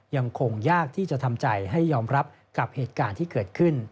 ยังคงยากที่จะทำใจให้ยอมรับกับเหตุการณ์ที่เกิดขึ้น